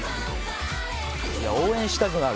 応援したくなる。